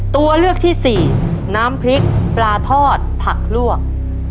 ตัวเลือกที่สี่น้ำพริกปลาทอดผักลวก